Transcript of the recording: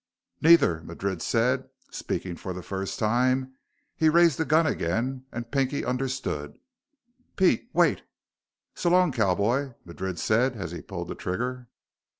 "Neither," Madrid said, speaking for the first time. He raised the gun again, and Pinky understood. "Pete ... wait...." "So long, cowboy," Madrid said as he pulled the trigger.